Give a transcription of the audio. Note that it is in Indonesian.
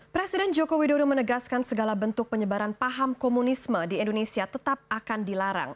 presiden joko widodo menegaskan segala bentuk penyebaran paham komunisme di indonesia tetap akan dilarang